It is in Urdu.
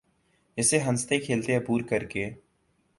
جسے ہنستے کھیلتے عبور کر کے